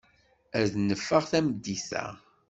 Ad neffeɣ tameddit-a.